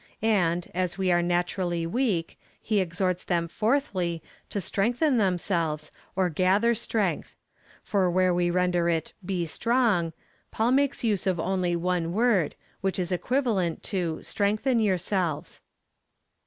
And, as we are naturally weak, he exhorts them fourthly to strengthen themselves, or gather strength. For where we render it he strong, Paul makes use of only one word, which is equiva lent to strengthen yourselves.